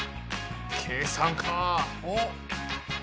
計算か。